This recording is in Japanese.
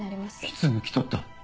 いつ抜き取った？